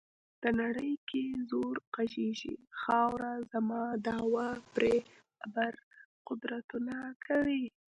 دې نړۍ کې زور غږیږي، خاوره زما دعوه پرې ابر قدرتونه کوي.